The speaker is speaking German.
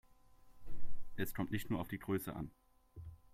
Es kommt nicht nur auf die Größe an.